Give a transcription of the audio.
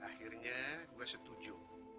akhirnya gue setuju